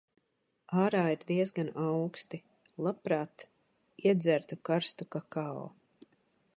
Ārā ir diezgan auksti. Labprāt iedzertu karstu kakao.